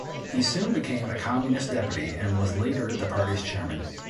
He soon became a Communist deputy and was later the party's chairman.